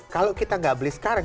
kalau kita nggak beli sekarang